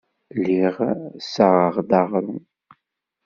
Lliɣ ssaɣeɣ-d aɣrum.